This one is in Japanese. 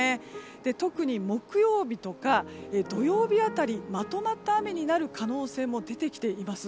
特に木曜日とか土曜日辺りまとまった雨になる可能性が出てきています。